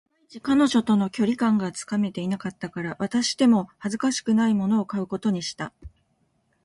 いまいち、彼女との距離感がつかめていなかったから、渡しても恥ずかしくないものを買うことにした